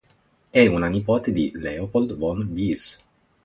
È una nipote di Leopold von Wiese.